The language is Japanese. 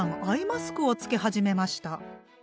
アイマスクを着け始めました。